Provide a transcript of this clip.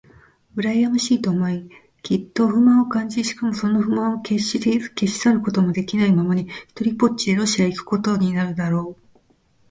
うらやましいと思い、きっと不満を感じ、しかもその不満をけっして消し去ることもできないままに、ひとりぽっちでロシアへ帰っていくことになるだろう。